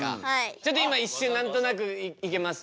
ちょっと今一瞬何となくいけます？